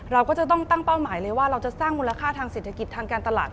เราก็จะต้องตั้งเป้าหมายเลยว่าเราจะสร้างมูลค่าทางเศรษฐกิจทางการตลาด